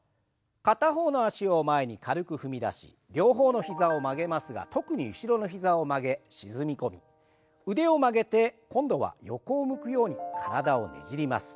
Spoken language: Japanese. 片方の脚を前に軽く踏み出し両方の膝を曲げますが特に後ろの膝を曲げ沈み込み腕を曲げて今度は横を向くように体をねじります。